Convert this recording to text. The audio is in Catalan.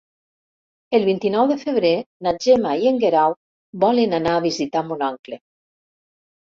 El vint-i-nou de febrer na Gemma i en Guerau volen anar a visitar mon oncle.